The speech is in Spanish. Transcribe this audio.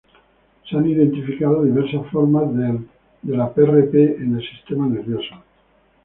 Se han identificado diversas formas de la PrP en el sistema nervioso.